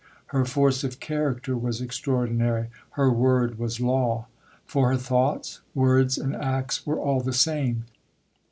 Her force of character was extraordinary. Her word was law. For her thoughts, words and acts were all the same.